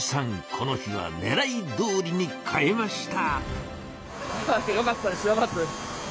この日はねらいどおりに買えました。